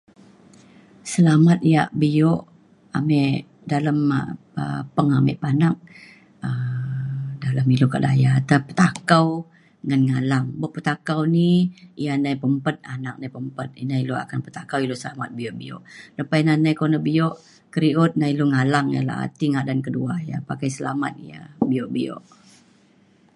selamat yak bi'u amek dalem um amek pengamek panak um dalem ilu ke' daya te petakau ngan ngala bok petakau ni ya ne pempet anak ne pempet ina ilu akan petakau ilu sanget biu' biu' lepa ina nai kene biu' keriut na ilu ngalang ya ila ti ngadan kedua ya pakai selamat ya biu' biu'.